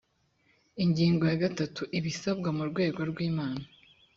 ingingo ya gatatu ibisabwa mu rwego rwi iman